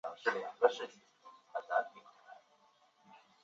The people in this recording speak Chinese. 刘梦琼移民到港即加入加山女子足球队参加香港女子足球联赛。